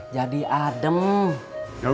jangan terlalu terlalu